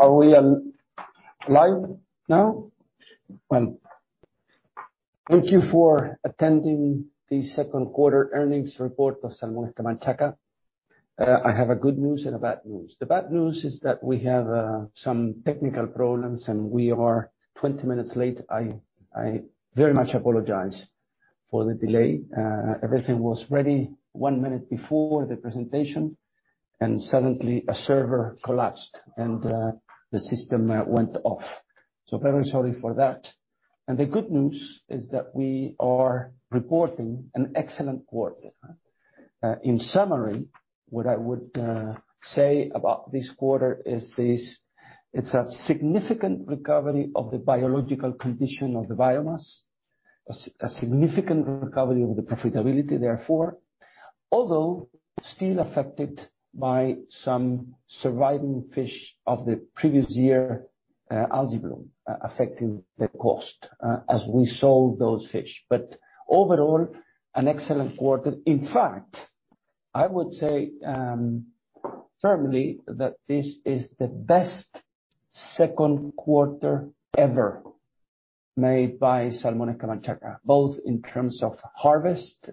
Are we live now? Well, thank you for attending the second quarter earnings report of Salmones Camanchaca. I have a good news and a bad news. The bad news is that we have some technical problems, and we are 20 minutes late. I very much apologize for the delay. Everything was ready one minute before the presentation, and suddenly a server collapsed, and the system went off. Very sorry for that. The good news is that we are reporting an excellent quarter. In summary, what I would say about this quarter is this. It's a significant recovery of the biological condition of the biomass, a significant recovery of the profitability therefore, although still affected by some surviving fish of the previous year, algal bloom affecting the cost as we sold those fish. Overall, an excellent quarter. In fact, I would say, firmly that this is the best second quarter ever made by Salmones Camanchaca, both in terms of harvest,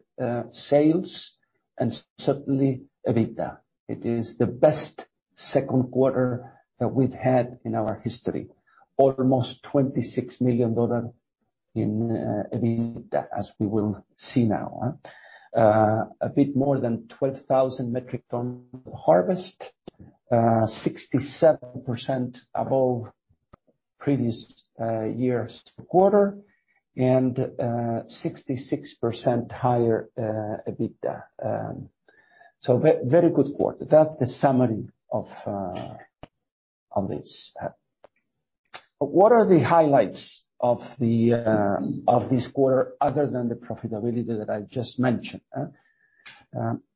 sales, and certainly, EBITDA. It is the best second quarter that we've had in our history. Almost $26 million in EBITDA, as we will see now. A bit more than 12,000 metric ton harvest, 67% above previous year's quarter and, 66% higher EBITDA. Very good quarter. That's the summary of this. What are the highlights of this quarter other than the profitability that I just mentioned?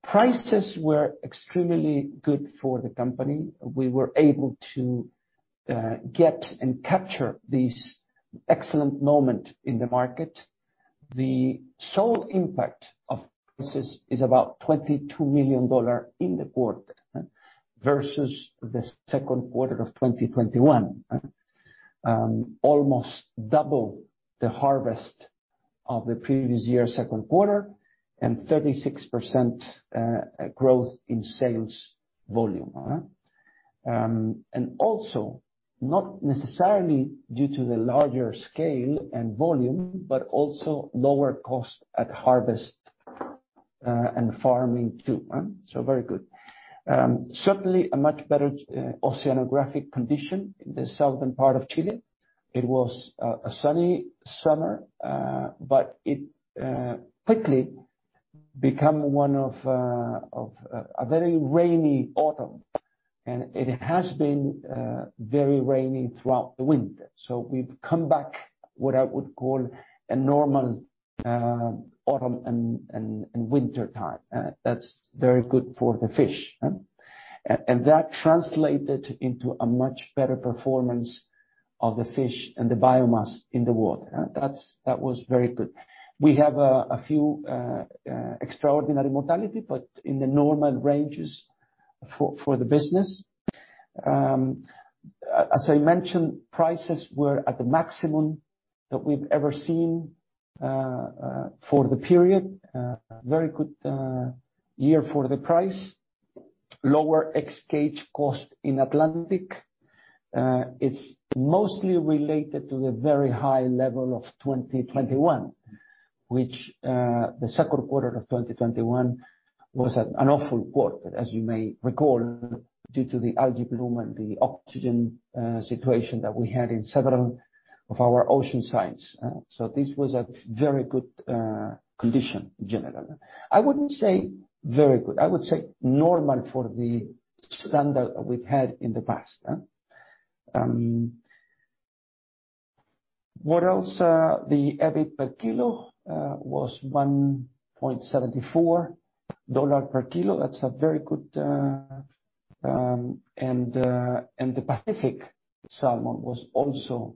Prices were extremely good for the company. We were able to get and capture this excellent moment in the market. The sole impact of prices is about $22 million in the quarter versus the second quarter of 2021. Almost double the harvest of the previous year's second quarter and 36% growth in sales volume. Also, not necessarily due to the larger scale and volume, but also lower cost at harvest and farming too, so very good. Certainly a much better oceanographic condition in the southern part of Chile. It was a sunny summer, but it quickly became a very rainy autumn. It has been very rainy throughout the winter. We've come back what I would call a normal autumn and winter time. That's very good for the fish. That translated into a much better performance of the fish and the biomass in the water. That was very good. We have a few extraordinary mortality, but in the normal ranges for the business. As I mentioned, prices were at the maximum that we've ever seen for the period. Very good year for the price. Lower ex-cage cost in Atlantic. It's mostly related to the very high level of 2021, which the second quarter of 2021 was an awful quarter, as you may recall, due to the algal bloom and the oxygen situation that we had in several of our ocean sites, so this was a very good condition in general. I wouldn't say very good. I would say normal for the standard we've had in the past. What else? The EBIT per kilo was $1.74 per kilo. That's a very good. The Pacific salmon was also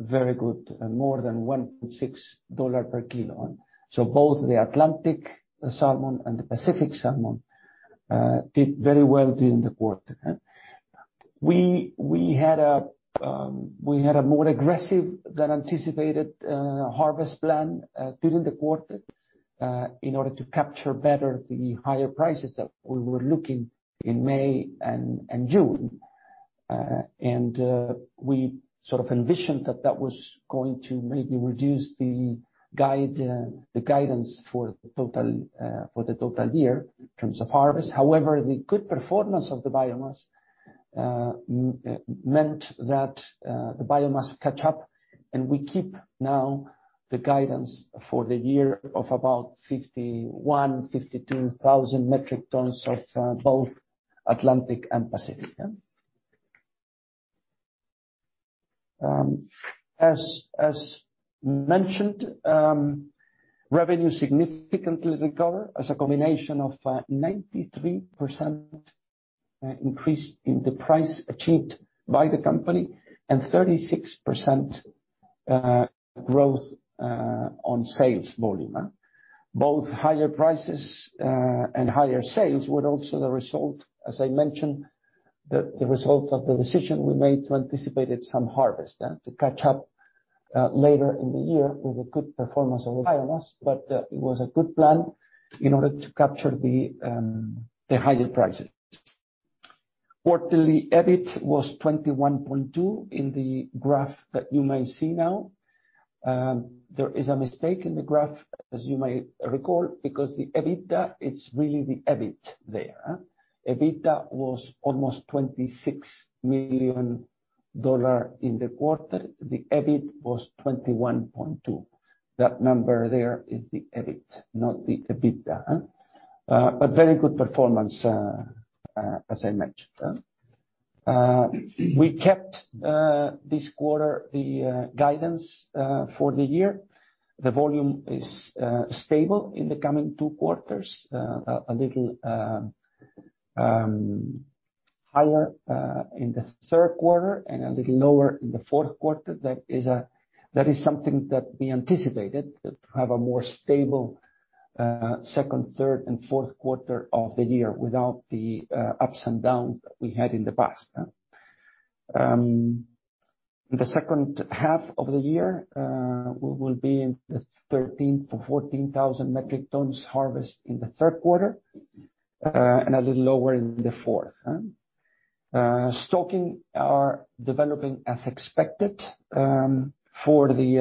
very good, more than $1.6 per kilo. Both the Atlantic salmon and the Pacific salmon did very well during the quarter. We had a more aggressive than anticipated harvest plan during the quarter in order to capture better the higher prices that we were looking in May and June. We sort of envisioned that that was going to maybe reduce the guidance for the total year in terms of harvest. However, the good performance of the biomass meant that the biomass caught up, and we keep now the guidance for the year of about 51,000 metric tons-52,000 metric tons of both Atlantic and Pacific. As mentioned, revenue significantly recovered as a combination of 93% increase in the price achieved by the company and 36% growth on sales volume. Both higher prices and higher sales were also the result, as I mentioned, the result of the decision we made to anticipate some harvest to catch up later in the year with a good performance of biomass. It was a good plan in order to capture the higher prices. Quarterly EBIT was $21.2 in the graph that you may see now. There is a mistake in the graph, as you may recall, because the EBITDA, it's really the EBIT there. EBITDA was almost $26 million in the quarter. The EBIT was $21.2 million. That number there is the EBIT, not the EBITDA, but very good performance, as I mentioned. We kept this quarter the guidance for the year. The volume is stable in the coming two quarters. A little higher in the third quarter and a little lower in the fourth quarter. That is something that we anticipated, that to have a more stable second, third and fourth quarter of the year without the ups and downs that we had in the past. The second half of the year, we'll be in the 13,000 metric tons-14,000 metric tons harvest in the third quarter, and a little lower in the fourth. Stockings are developing as expected for the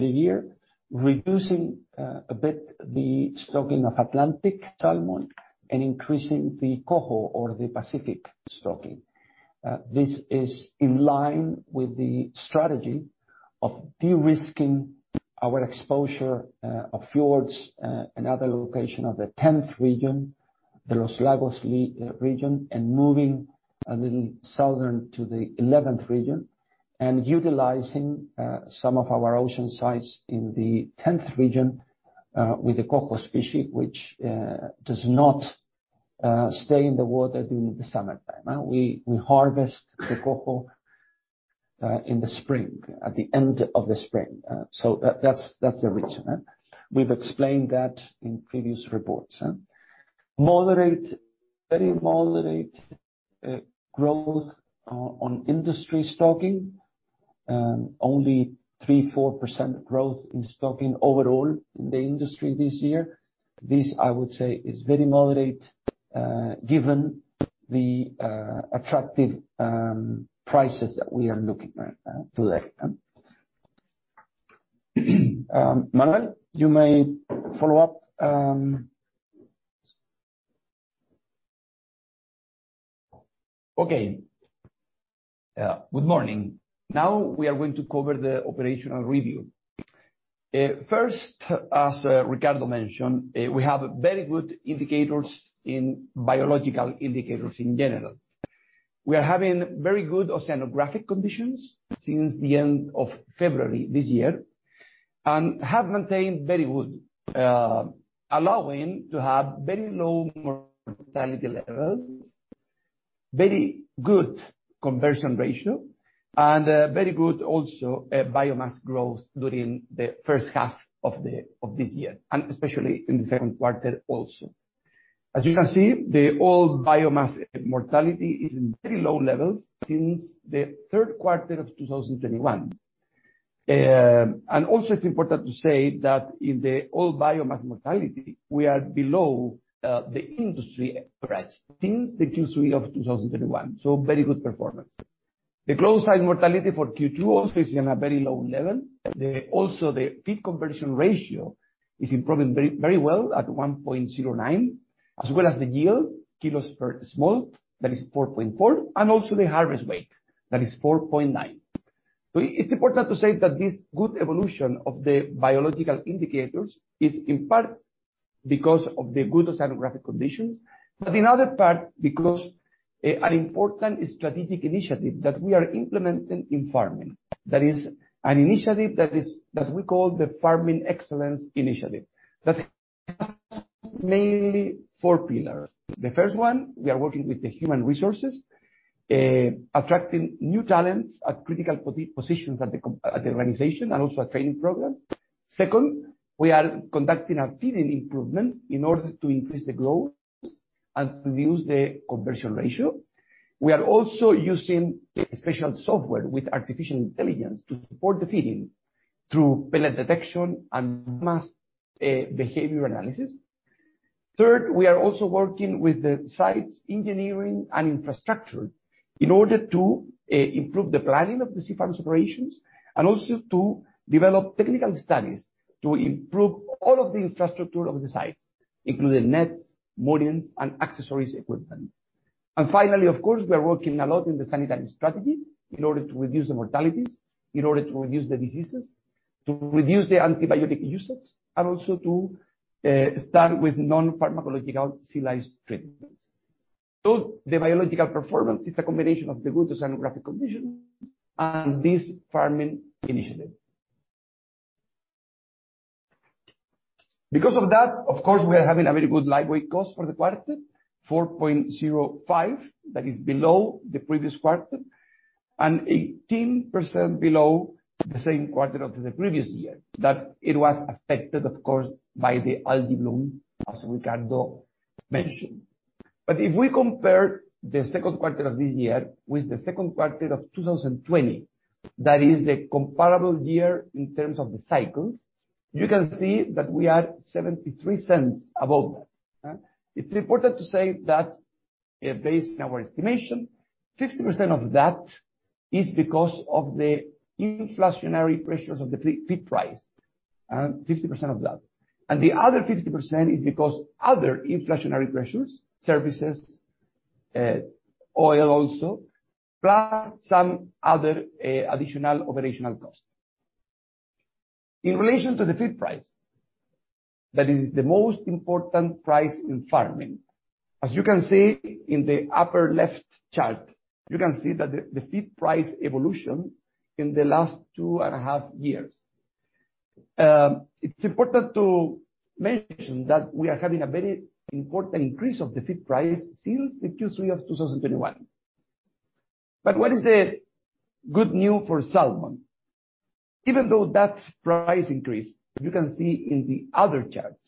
year. Reducing a bit the stocking of Atlantic salmon and increasing the Coho or the Pacific stocking. This is in line with the strategy of de-risking our exposure of fjords, another location of the tenth region, the Los Lagos Region, and moving a little south to the eleventh region. Utilizing some of our ocean sites in the tenth region with the Coho species, which does not stay in the water during the summertime. We harvest the Coho in the spring, at the end of the spring. So that's the reason. We've explained that in previous reports. Moderate, very moderate growth on industry stocking. Only 3%-4% growth in stocking overall in the industry this year. This, I would say, is very moderate, given the attractive prices that we are looking at today. Manuel, you may follow up. Okay. Good morning. Now we are going to cover the operational review. First, as Ricardo mentioned, we have very good biological indicators in general. We are having very good oceanographic conditions since the end of February this year and have maintained very good, allowing to have very low mortality levels, very good conversion ratio, and very good biomass growth during the first half of this year, and especially in the second quarter also. As you can see, the overall biomass mortality is in very low levels since the third quarter of 2021. Also it's important to say that in the overall biomass mortality, we are below the industry average since the Q3 of 2021. Very good performance. The closed side mortality for Q2 also is in a very low level. The feed conversion ratio is improving very, very well at 1.09, as well as the yield, kilos per smolt, that is 4.4, and also the harvest weight, that is 4.9. It's important to say that this good evolution of the biological indicators is in part because of the good oceanographic conditions. In other part, because an important strategic initiative that we are implementing in farming. That is an initiative that we call the Farming Excellence Initiative. That has mainly four pillars. The first one, we are working with the human resources, attracting new talents at critical positions at the organization and also a training program. Second, we are conducting a feeding improvement in order to increase the growth and reduce the conversion ratio. We are also using a special software with artificial intelligence to support the feeding through pellet detection and mass behavior analysis. Third, we are also working with the sites engineering and infrastructure in order to improve the planning of the sea farms operations and also to develop technical studies to improve all of the infrastructure of the sites, including nets, moorings, and accessory equipment. Finally, of course, we are working a lot in the sanitary strategy in order to reduce the mortalities, in order to reduce the diseases, to reduce the antibiotic usage, and also to start with non-pharmacological sea lice treatments. The biological performance is a combination of the good oceanographic condition and this farming initiative. Because of that, of course, we are having a very good live weight cost for the quarter, $4.05. That is below the previous quarter and 18% below the same quarter of the previous year, that it was affected, of course, by the algal bloom, as Ricardo mentioned. If we compare the second quarter of this year with the second quarter of 2020, that is the comparable year in terms of the cycles, you can see that we are $0.73 above that. It's important to say that based on our estimation, 50% of that is because of the inflationary pressures of the feed price, and 50% of that. The other 50% is because other inflationary pressures, services, oil also, plus some other additional operational costs. In relation to the feed price, that is the most important price in farming. As you can see in the upper left chart, you can see that the feed price evolution in the last two and a half years. It's important to mention that we are having a very important increase of the feed price since the Q3 of 2021. What is the good news for salmon? Even though that price increase, you can see in the other charts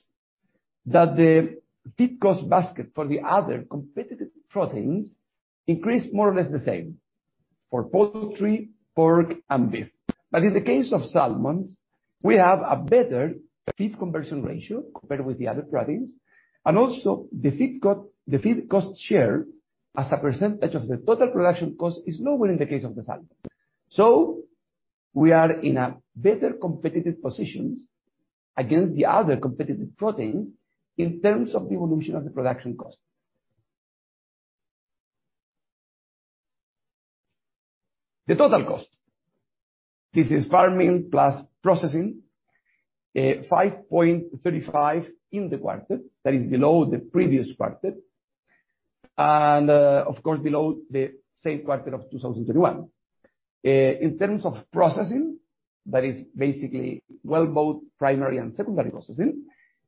that the feed cost basket for the other competitive proteins increased more or less the same for poultry, pork, and beef. In the case of salmon, we have a better Feed Conversion Ratio compared with the other proteins. The feed cost share as a percentage of the total production cost is lower in the case of the salmon. We are in a better competitive positions against the other competitive proteins in terms of the evolution of the production cost. The total cost, this is farming plus processing, $5.35 in the quarter. That is below the previous quarter and, of course below the same quarter of 2021. In terms of processing, that is basically well, both primary and secondary processing,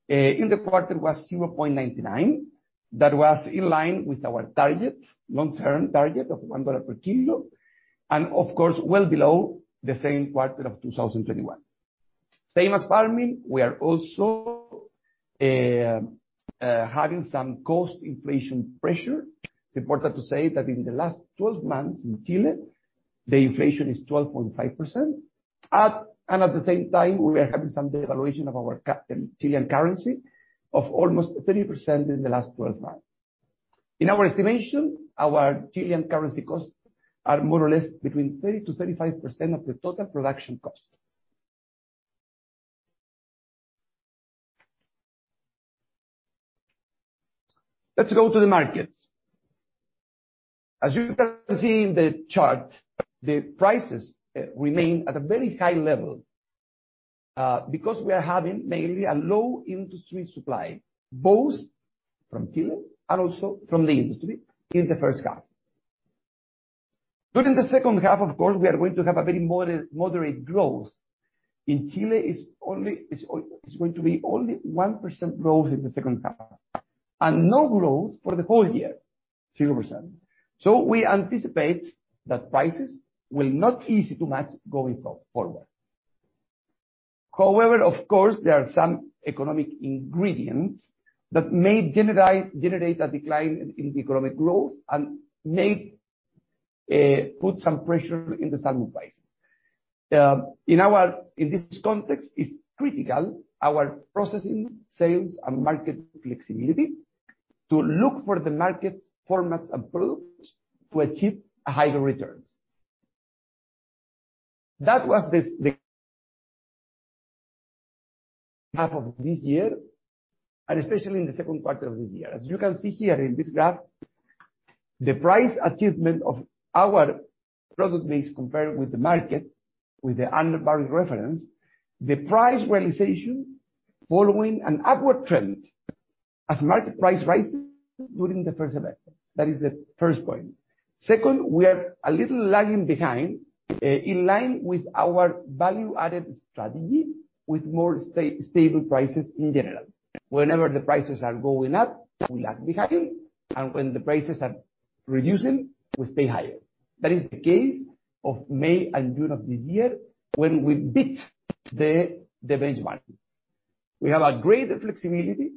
in the quarter was $0.99. That was in line with our target, long-term target of $1 per kilo, and of course, well below the same quarter of 2021. Same as farming, we are also having some cost inflation pressure. It's important to say that in the last 12 months in Chile, the inflation is 12.5%. At the same time, we are having some devaluation of the Chilean currency of almost 30% in the last 12 months. In our estimation, our Chilean currency costs are more or less between 30%-35% of the total production cost. Let's go to the markets. As you can see in the chart, the prices remain at a very high level because we are having mainly a low industry supply, both from Chile and also from the industry in the first half. During the second half, of course, we are going to have a very moderate growth. In Chile, it's only going to be 1% growth in the second half, and no growth for the whole year, 0%. We anticipate that prices will not ease too much going forward. However, of course, there are some economic indicators that may generate a decline in the economic growth and may put some pressure into salmon prices. In this context, it's critical our processing, sales, and market flexibility to look for the market's formats and products to achieve higher returns. That was the half of this year, and especially in the second quarter of the year. As you can see here in this graph, the price achievement of our product base compared with the market, with the Urner Barry reference, the price realization following an upward trend as market price rises during the first half. That is the first point. Second, we are a little lagging behind in line with our value-added strategy with more stable prices in general. Whenever the prices are going up, we lag behind, and when the prices are reducing, we stay higher. That is the case of May and June of this year when we beat the benchmark. We have a greater flexibility.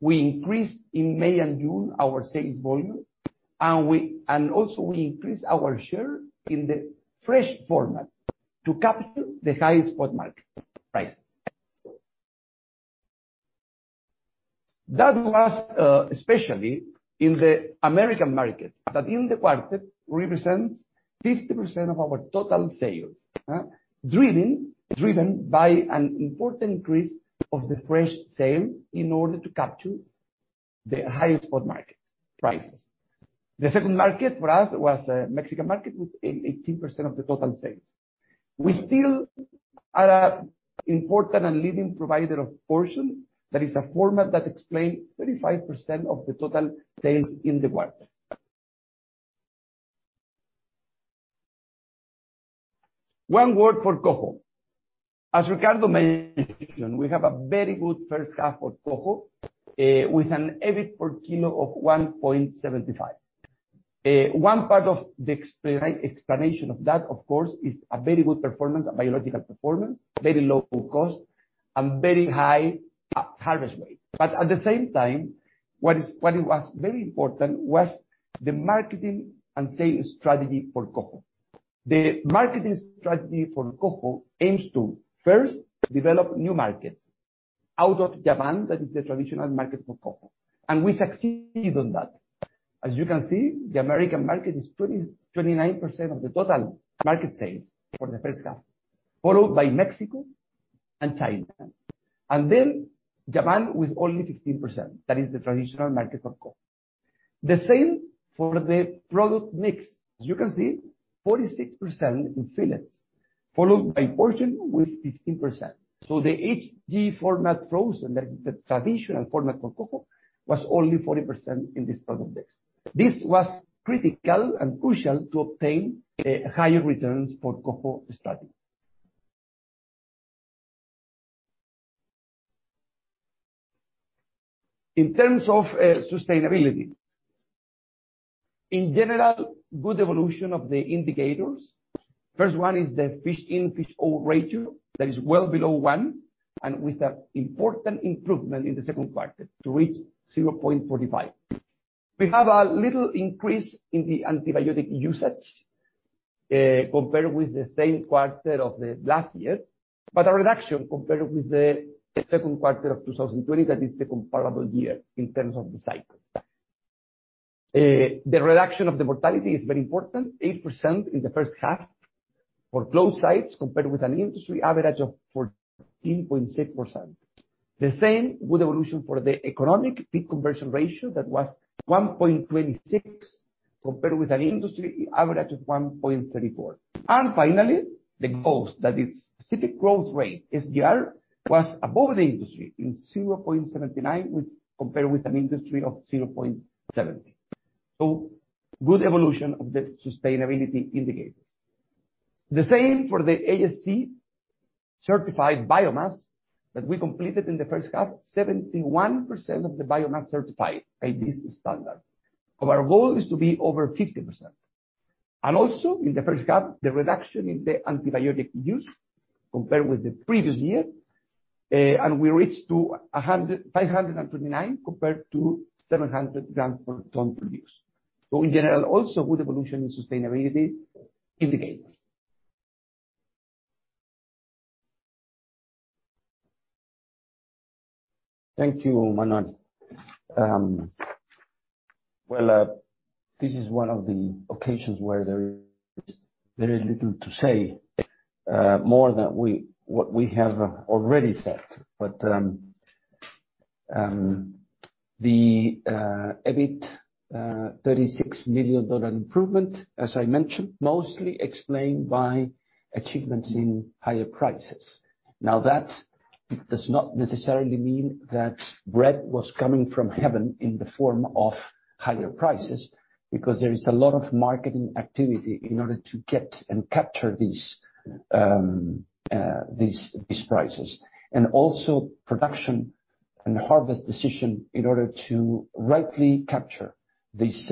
We increased in May and June our sales volume, and also we increased our share in the fresh format to capture the highest spot market prices. That was especially in the American market that in the quarter represents 50% of our total sales. Driven by an important increase of the fresh sales in order to capture the highest spot market prices. The second market for us was Mexican market, with 18% of the total sales. We still are an important and leading provider of portion. That is a format that explains 35% of the total sales in the quarter. One word for Coho. As Ricardo mentioned, we have a very good first half for Coho with an EBIT per kilo of $1.75. One part of the explanation of that, of course, is a very good performance, biological performance, very low cost, and very high harvest weight. But at the same time, what was very important was the marketing and sales strategy for Coho. The marketing strategy for Coho aims to first develop new markets out of Japan, that is the traditional market for Coho, and we succeed on that. As you can see, the American market is 29% of the total market sales for the first half, followed by Mexico and China. Then Japan with only 15%. That is the traditional market for Coho. The same for the product mix. As you can see, 46% in fillets, followed by portion with 15%. The H&G format frozen, that's the traditional format for Coho, was only 40% in this product mix. This was critical and crucial to obtain higher returns for Coho strategy. In terms of sustainability, in general, good evolution of the indicators. First one is the Fish In:Fish Out ratio that is well below one, and with an important improvement in the second quarter to reach 0.45. We have a little increase in the antibiotic usage compared with the same quarter of the last year, but a reduction compared with the second quarter of 2020, that is the comparable year in terms of the cycle. The reduction of the mortality is very important, 8% in the first half for closed sites, compared with an industry average of 14.6%. The same good evolution for the economic feed conversion ratio that was 1.26, compared with an industry average of 1.34. Finally, the growth, that is specific growth rate, SGR, was above the industry in 0.79, which compared with an industry of 0.70. Good evolution of the sustainability indicators. The same for the ASC certified biomass that we completed in the first half, 71% of the biomass certified by this standard. Our goal is to be over 50%. Also, in the first half, the reduction in the antibiotic use compared with the previous year, and we reached to a 529 grams compared to 700 grams per ton produced. In general, also good evolution in sustainability indicators. Thank you, Manuel. Well, this is one of the occasions where there is little to say, more than what we have already said. The EBIT $36 million improvement, as I mentioned, mostly explained by achievements in higher prices. Now, that does not necessarily mean that bread was coming from heaven in the form of higher prices, because there is a lot of marketing activity in order to get and capture these prices. Also production and harvest decision in order to rightly capture this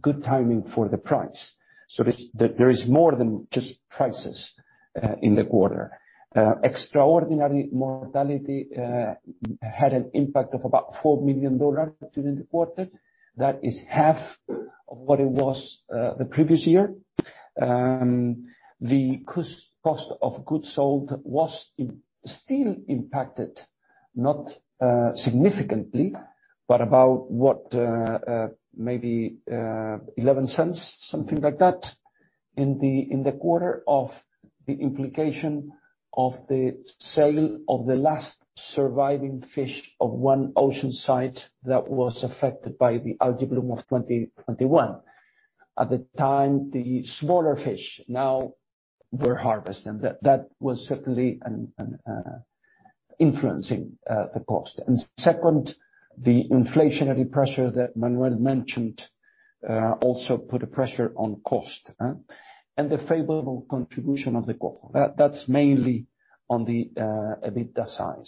good timing for the price. There is more than just prices in the quarter. Extraordinary mortality had an impact of about $4 million during the quarter. That is half of what it was the previous year. The cost of goods sold was still impacted, not significantly, but about maybe $0.11, something like that, in the quarter of the implication of the sale of the last surviving fish of one ocean site that was affected by the algal bloom of 2021. At the time, the smaller fish now were harvested. That was certainly an influence on the cost. Second, the inflationary pressure that Manuel mentioned also put pressure on costs, and the favorable contribution of the Coho. That's mainly on the EBITDA side.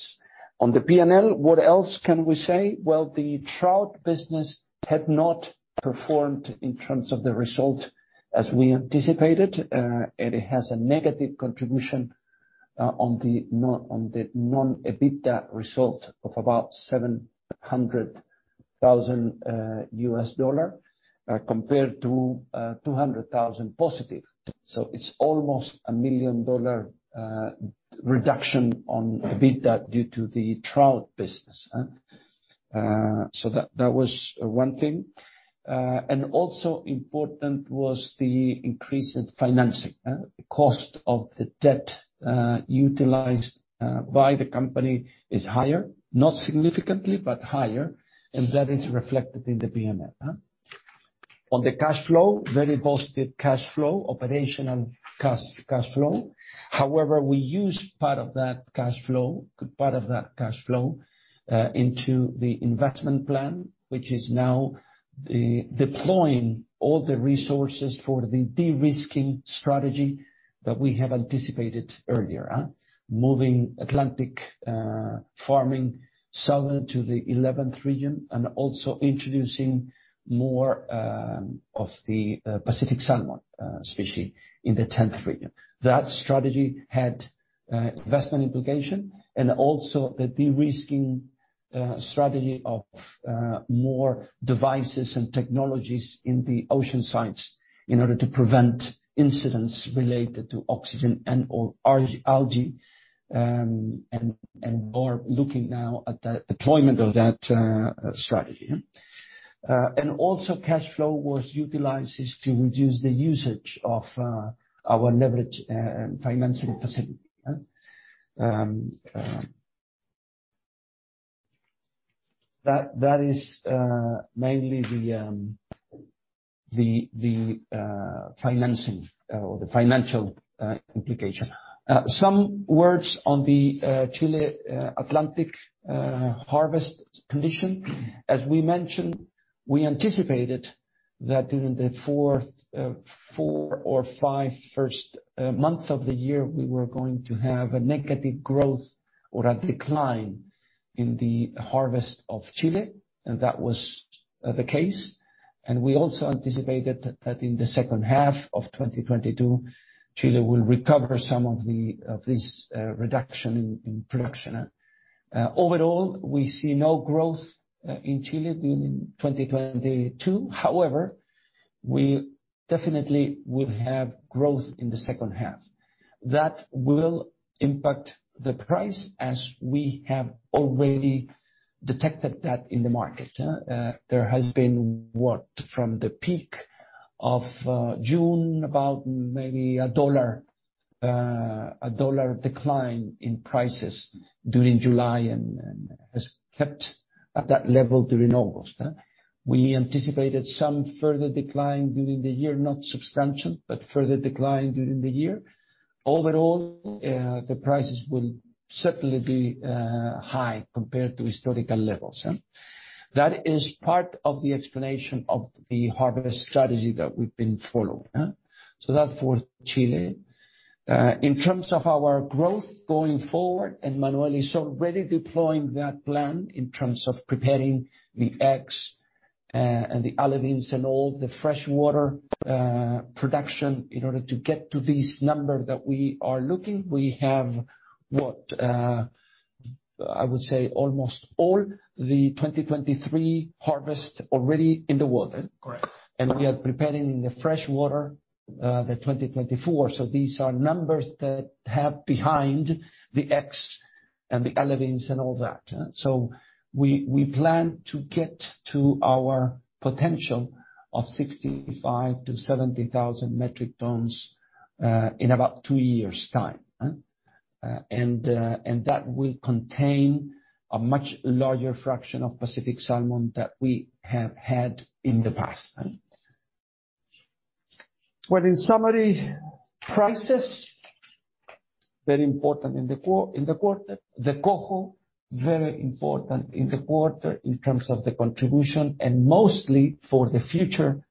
On the P&L, what else can we say? Well, the trout business had not performed in terms of the result as we anticipated. It has a negative contribution on the non-EBITDA result of about $700,000 compared to $200,000 positive. It's almost a $1 million reduction on EBITDA due to the trout business. That was one thing. Also important was the increase in financing, the cost of the debt utilized by the company is higher, not significantly, but higher, and that is reflected in the P&L. On the cash flow, very positive cash flow, operational cash flow. However, we use part of that cash flow into the investment plan, which is now deploying all the resources for the de-risking strategy that we have anticipated earlier, moving Atlantic salmon farming southward to the 11th region and also introducing more of the Pacific salmon species in the 10th region. That strategy had investment implication and also the de-risking strategy of more devices and technologies in the ocean sites in order to prevent incidents related to oxygen and/or algae. We are looking now at the deployment of that strategy. Cash flow was also utilized to reduce the usage of our leverage financing facility. That is mainly the financing or the financial implication. Some words on the Chile Atlantic harvest condition. As we mentioned, we anticipated that during the first four or five months of the year, we were going to have a negative growth or a decline in the harvest of Chile, and that was the case. We also anticipated that in the second half of 2022, Chile will recover some of this reduction in production. Overall, we see no growth in Chile during 2022. However, we definitely will have growth in the second half. That will impact the price as we have already detected that in the market. There has been what? From the peak of June about maybe $1 decline in prices during July and has kept at that level during August. We anticipated some further decline during the year, not substantial, but further decline during the year. Overall, the prices will certainly be high compared to historical levels. That is part of the explanation of the harvest strategy that we've been following, so that for Chile. In terms of our growth going forward, Manuel is already deploying that plan in terms of preparing the eggs, and the alevins and all the freshwater production in order to get to this number that we are looking. We have, I would say, almost all the 2023 harvest already in the water. Correct. We are preparing in the freshwater, the 2024. These are numbers that have behind the eggs and the alevins and all that. We plan to get to our potential of 65,000 metric tons-70,000 metric tons in about two years time. That will contain a much larger fraction of Pacific salmon that we have had in the past. Well, in summary, prices very important in the quarter. The Coho very important in the quarter in terms of the contribution and mostly for the future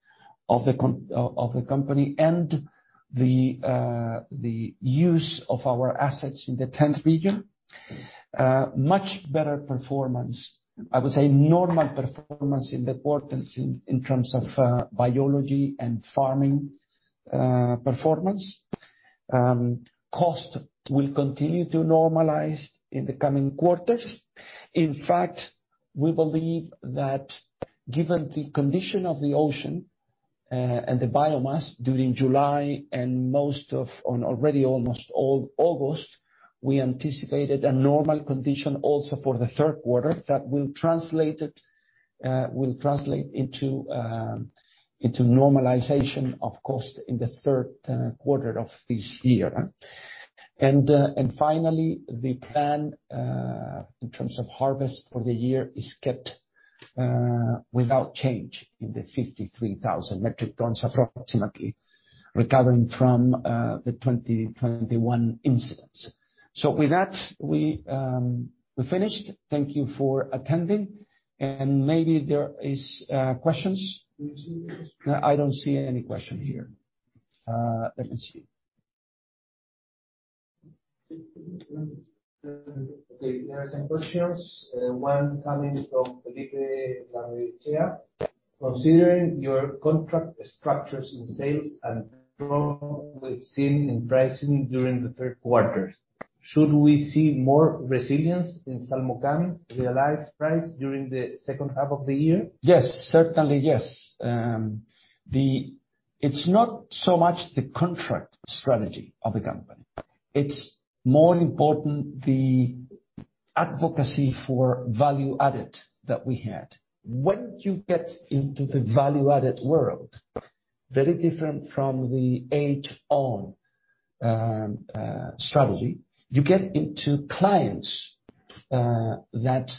of the company and the use of our assets in the tenth region. Much better performance. I would say normal performance in the quarter in terms of biology and farming performance. Cost will continue to normalize in the coming quarters. In fact, we believe that given the condition of the ocean and the biomass during July and most of August already almost all August, we anticipated a normal condition also for the third quarter that will translate into normalization of cost in the third quarter of this year. Finally, the plan in terms of harvest for the year is kept without change in the 53,000 metric tons approximately recovering from the 2021 incidents. With that, we're finished. Thank you for attending, and maybe there is questions. Do you see any questions? I don't see any question here. Let me see. There are some questions, one coming from Felipe Santiagosa. Considering your contract structures in sales and growth we've seen in pricing during the third quarter, should we see more resilience in Salmones Camanchaca realized price during the second half of the year? Yes. Certainly, yes. It's not so much the contract strategy of the company. It's more important the advocacy for value-added that we had. When you get into the value-added world, very different from the H&G strategy, you get into clients that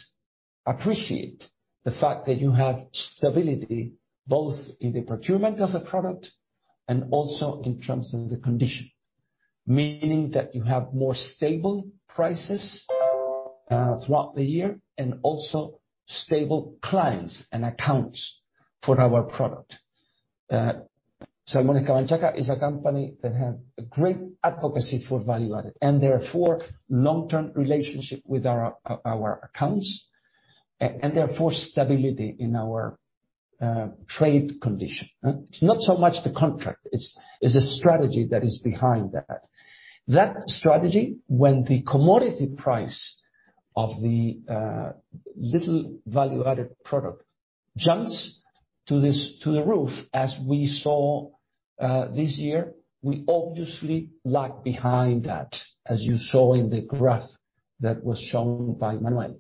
appreciate the fact that you have stability both in the procurement of the product and also in terms of the condition. Meaning that you have more stable prices throughout the year and also stable clients and accounts for our product. Salmones Camanchaca is a company that have a great advocacy for value-added, and therefore long-term relationship with our accounts, and therefore stability in our trade condition. It's not so much the contract, it's a strategy that is behind that. That strategy, when the commodity price of the little value-added product jumps to the roof as we saw this year, we obviously lag behind that, as you saw in the graph that was shown by Manuel.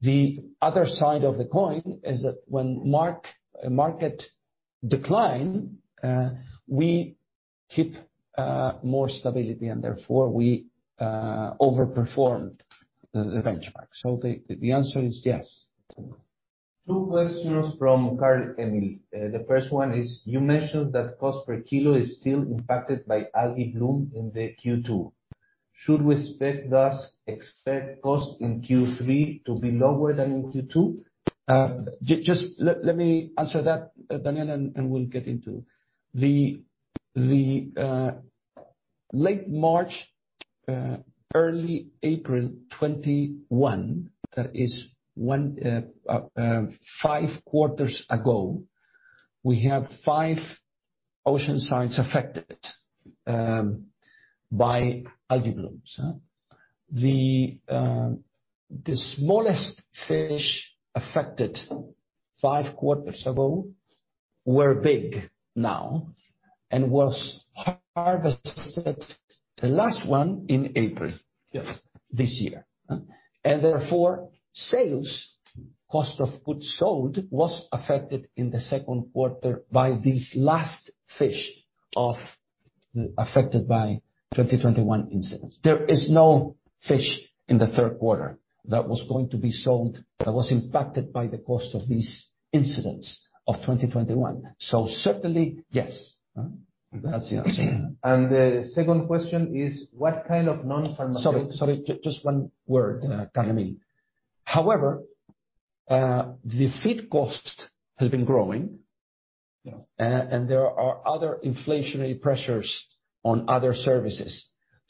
The other side of the coin is that when a market decline, we keep more stability, and therefore we overperformed the benchmark. The answer is yes. Two questions from Carl Emil. The first one is, you mentioned that cost per kilo is still impacted by algal bloom in Q2. Should we thus expect costs in Q3 to be lower than in Q2? Just let me answer that, Daniel, and we'll get into. The late March, early April 2021, that is five quarters ago, we have five ocean sites affected by algal blooms. The smallest fish affected five quarters ago were big now and was harvested, the last one in April. Yes. This year. Therefore, sales, cost of goods sold was affected in the second quarter by this last fish affected by 2021 incidents. There is no fish in the third quarter that was going to be sold that was impacted by the cost of these incidents of 2021. Certainly, yes. That's the answer, yeah. The second question is, what kind of non-pharmaceutical? Sorry. Just one word, Carl Emil. However, the feed cost has been growing. Yes. There are other inflationary pressures on other services.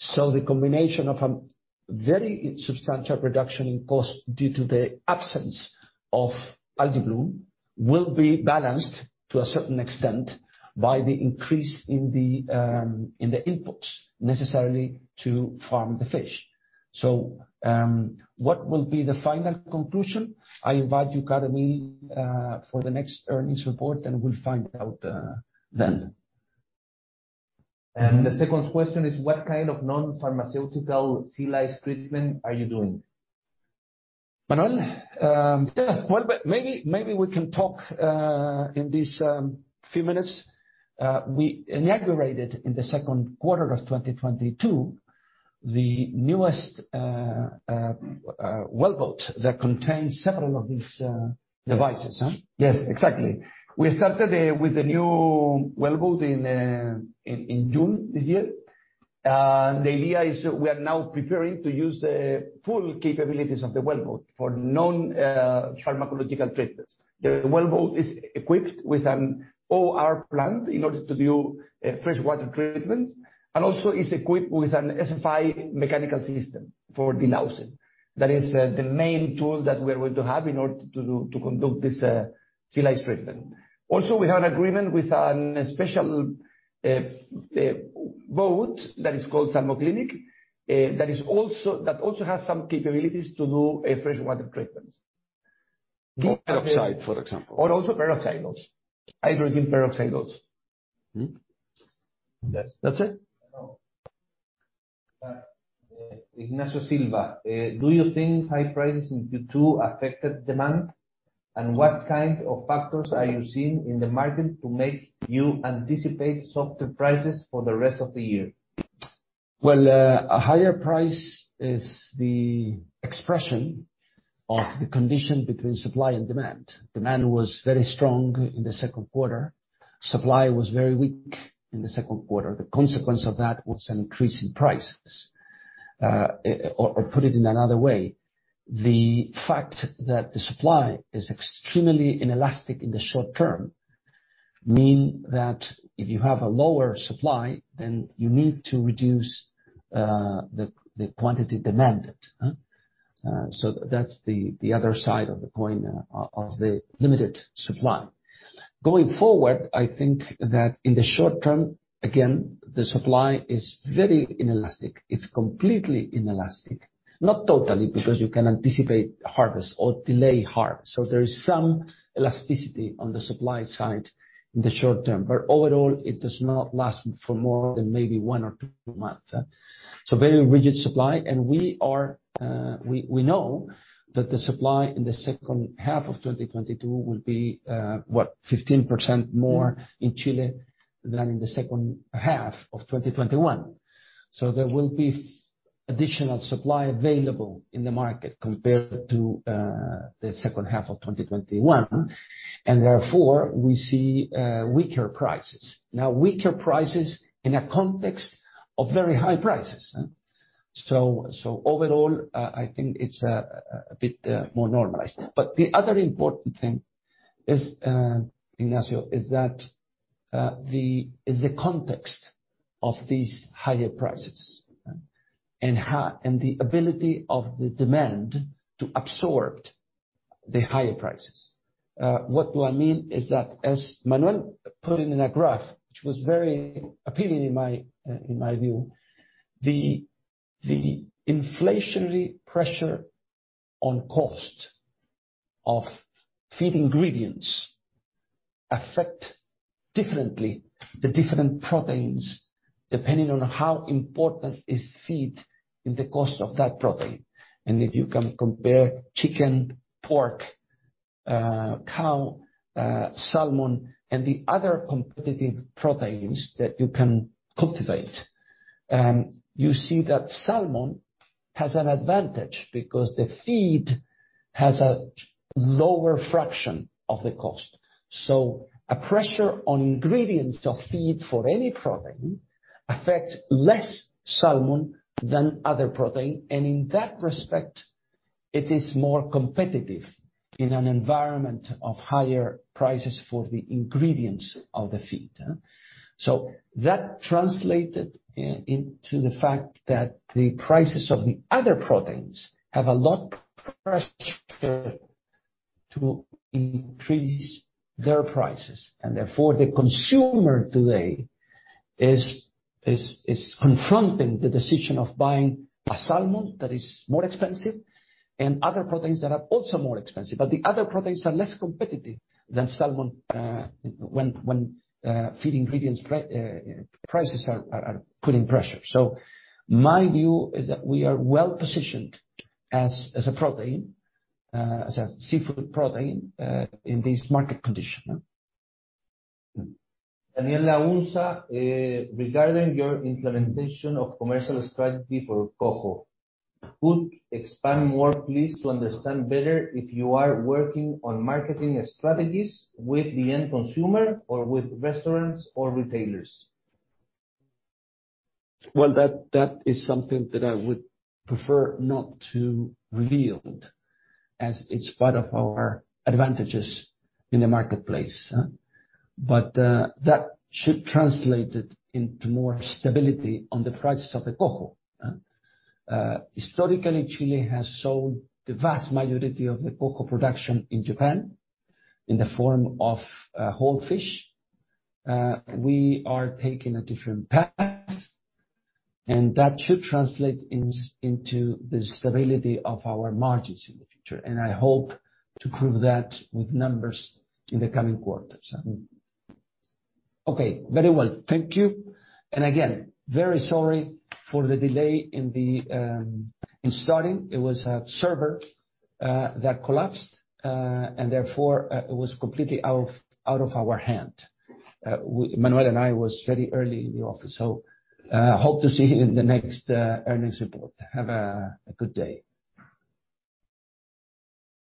The combination of a very substantial reduction in cost due to the absence of algal bloom will be balanced to a certain extent by the increase in the inputs necessary to farm the fish. What will be the final conclusion? I invite you, Carl Emil, for the next earnings report, and we'll find out then. The second question is, what kind of non-pharmaceutical sea lice treatment are you doing? Manuel, yeah. Well, maybe we can talk in these few minutes. We inaugurated in the second quarter of 2022, the newest well boat that contains several of these. Devices, huh? Yes. Exactly. We started with the new well boat in June this year. The idea is we are now preparing to use the full capabilities of the well boat for non-pharmacological treatments. The well boat is equipped with an RO plant in order to do a fresh water treatment, and also is equipped with an SFI mechanical system for delousing. That is the main tool that we're going to have in order to conduct this sea lice treatment. Also, we have an agreement with a special boat that is called Salmoclinic, that also has some capabilities to do fresh water treatments. Peroxide, for example. Also hydrogen peroxide. Mm-hmm. Yes. That's it. Ignacio Silva: Do you think high prices in Q2 affected demand? And what kind of factors are you seeing in the market to make you anticipate softer prices for the rest of the year? Well, a higher price is the expression of the condition between supply and demand. Demand was very strong in the second quarter. Supply was very weak in the second quarter. The consequence of that was an increase in prices. Put it in another way, the fact that the supply is extremely inelastic in the short term mean that if you have a lower supply, then you need to reduce the quantity demanded? That's the other side of the coin of the limited supply. Going forward, I think that in the short term, again, the supply is very inelastic. It's completely inelastic. Not totally, because you can anticipate harvest or delay harvest. There is some elasticity on the supply side in the short term. Overall, it does not last for more than maybe one or two months. Very rigid supply. We know that the supply in the second half of 2022 will be 15% more in Chile than in the second half of 2021. There will be additional supply available in the market compared to the second half of 2021. Therefore, we see weaker prices. Now weaker prices in a context of very high prices. Overall, I think it's a bit more normalized. The other important thing is, Ignacio, that the context of these higher prices and how. The ability of the demand to absorb the higher prices. What do I mean is that as Manuel put it in a graph, which was very appealing in my view, the inflationary pressure on cost of feed ingredients affect differently the different proteins, depending on how important is feed in the cost of that protein. If you can compare chicken, pork, cow, salmon, and the other competitive proteins that you can cultivate, you see that salmon has an advantage because the feed has a lower fraction of the cost. A pressure on ingredients of feed for any protein affects less salmon than other protein. In that respect, it is more competitive in an environment of higher prices for the ingredients of the feed. That translated into the fact that the prices of the other proteins have a lot of pressure to increase their prices, and therefore the consumer today is confronting the decision of buying a salmon that is more expensive and other proteins that are also more expensive. The other proteins are less competitive than salmon when feed ingredients prices are putting pressure. My view is that we are well-positioned as a protein, as a seafood protein, in this market condition. Daniel Laukås, regarding your implementation of commercial strategy for Coho, could expand more, please, to understand better if you are working on marketing strategies with the end consumer or with restaurants or retailers? Well, that is something that I would prefer not to reveal, as it's part of our advantages in the marketplace. That should translate it into more stability on the prices of the Coho. Historically, Chile has sold the vast majority of the Coho production in Japan in the form of whole fish. We are taking a different path, and that should translate into the stability of our margins in the future. I hope to prove that with numbers in the coming quarters. Okay. Very well. Thank you. Again, very sorry for the delay in starting. It was a server that collapsed, and therefore it was completely out of our hand. Manuel and I was very early in the office. Hope to see you in the next earnings report. Have a good day.